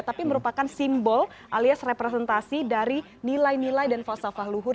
tapi merupakan simbol alias representasi dari nilai nilai dan falsafah luhur